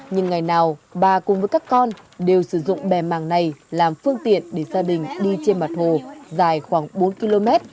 nhưng ngày nào bà cùng với các con đều sử dụng bè màng này làm phương tiện để gia đình đi trên mặt hồ dài khoảng bốn km